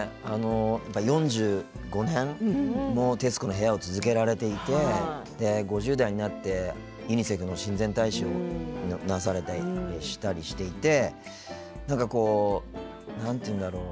４５年も「徹子の部屋」を続けられていて５０代になって、ユニセフの親善大使もなされたりしていてなんていうんだろう